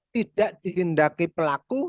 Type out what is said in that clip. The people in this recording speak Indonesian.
tidak dihindaki pelaku